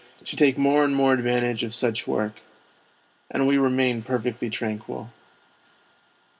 to take more and more advantage of such work. And we remain perfectly tranquil.